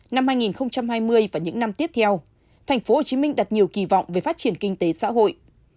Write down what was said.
năm hai nghìn hai mươi và những năm tiếp theo thành phố hồ chí minh đặt nhiều kỳ vọng về phát triển kinh tế xã hội